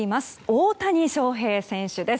大谷翔平選手です。